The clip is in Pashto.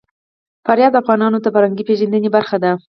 فاریاب د افغانانو د فرهنګي پیژندنې برخه ده.